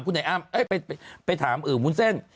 คนไปถามอื่อวุ้นเส้น